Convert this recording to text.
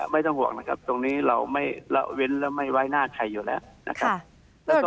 ไม่ต้องห่วงนะครับตรงนี้เราไม่ละเว้นและไม่ไว้หน้าใครอยู่แล้วนะครับ